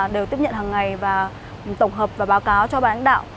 đều tiếp nhận hằng ngày và tổng hợp và báo cáo cho bán lãnh đạo